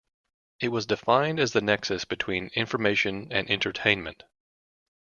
It was defined as the "nexus between Information and Entertainment".